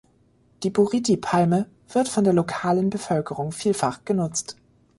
Die Buriti-Palme wird von der lokalen Bevölkerung vielfach genutzt.